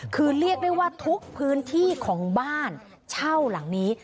คือเรียกได้ว่าทุกพื้นที่ของบ้านเช่าหลังนี้